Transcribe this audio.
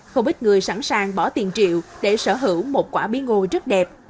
không ít người sẵn sàng bỏ tiền triệu để sở hữu một quả bí ngô rất đẹp